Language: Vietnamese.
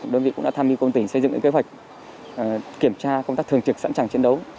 đơn vị cũng đã tham mưu công tỉnh xây dựng những kế hoạch kiểm tra công tác thường trực sẵn sàng chiến đấu